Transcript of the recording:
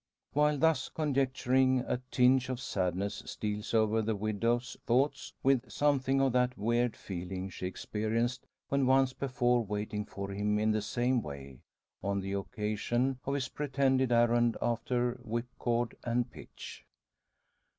While thus conjecturing a tinge of sadness steals over the widow's thoughts, with something of that weird feeling she experienced when once before waiting for him in the same way on the occasion of his pretended errand after whipcord and pitch.